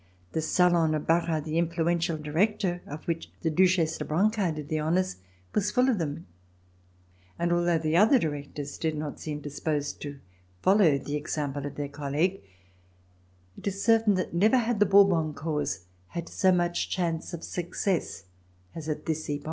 The salon of Barras, the Influential Director, of which the Duchesse de Brancas did the honors, was full of them, and although the other Directors did not seem disposed to follow the example of their colleague, It is certain that never had the Bourbon cause had so much chance of success as at this epoch.